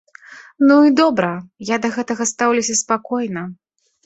Ну і добра, я да гэтага стаўлюся спакойна.